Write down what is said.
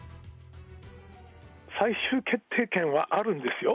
最終決定権はあるんですよ。